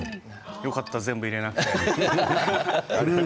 よかった全部入れなくて。